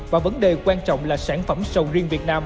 và vấn đề quan trọng là sản phẩm sầu riêng việt nam